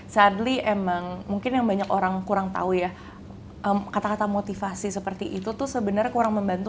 sadly emang mungkin yang banyak orang kurang tahu ya kata kata motivasi seperti itu tuh sebenarnya kurang membantu